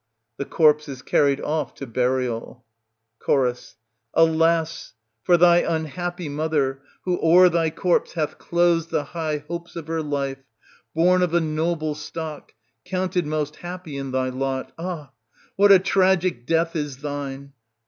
[^The corpse is carried off to burial, Cho. Alas ! for thy unhappy mother, who o'er * thy corpse hath closed the high hopes of her life ! Bom of a noble stock, counted most happy in thy lot, ah ! what a tragic death is thine